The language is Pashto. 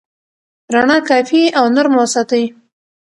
رڼا کافي او نرمه وساتئ.